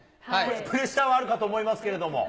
プレッシャーはあるかと思いますけれども。